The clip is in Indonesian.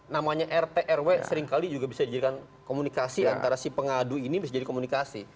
namanya rt rw seringkali juga bisa dijadikan komunikasi antara si pengadu ini bisa jadi komunikasi